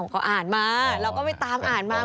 ก็อ่านมาเราก็ไปตามอ่านมาเหมือนกัน